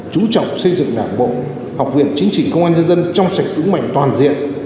chú trọng xây dựng đảng bộ học viện chính trị công an nhân dân trong sạch vững mạnh toàn diện